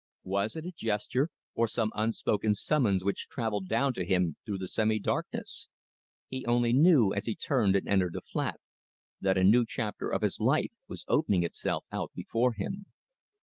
Was it a gesture or some unspoken summons which travelled down to him through the semi darkness? He only knew, as he turned and entered the flat, that a new chapter of his life was opening itself out before him.